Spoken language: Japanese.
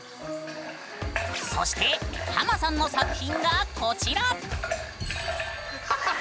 そしてハマさんの作品がこちら！